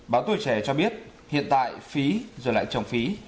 báo tuổi trẻ cho biết hiện tại phí rồi lại trồng phí